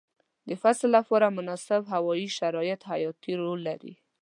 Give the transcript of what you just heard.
د فصل لپاره مناسب هوايي شرایط حیاتي رول لري.